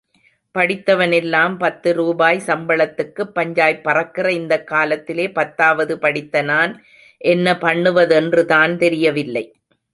படித்தவனெல்லாம் பத்து ரூபாய் சம்பளத்துக்குப் பஞ்சாய்ப் பறக்கிற இந்தக் காலத்திலே பத்தாவது படித்த நான் என்ன பண்ணுவதென்றுதான் தெரியவில்லை.